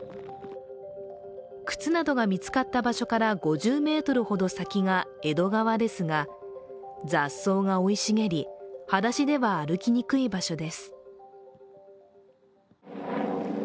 靴などが見つかった場所から５０ｍほど先が江戸川ですが雑草が生い茂り、はだしでは歩きにくい場所です。